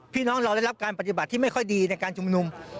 พี่น้องเราได้รับการปฏิบัติที่ไม่ค่อยดีในการชุมนุม